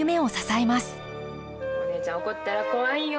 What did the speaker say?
お姉ちゃん怒ったら怖いんよ。